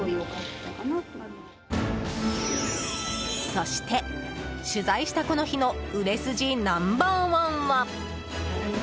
そして、取材したこの日の売れ筋ナンバー１は。